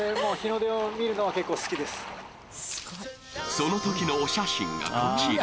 そのときのお写真が、こちら。